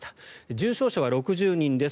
重症者は６０人です。